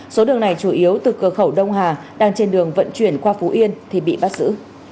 số đường này chủ yếu từ cửa khẩu đông hà đang trên đường vận chuyển qua phú yên thì bị bắt giữ